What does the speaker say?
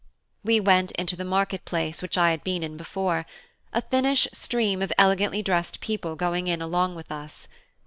We went into the market place which I had been in before, a thinnish stream of elegantly dressed people going in along with us.